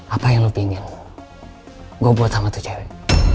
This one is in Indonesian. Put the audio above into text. apa yang lo ingin gue buat sama tuh cewek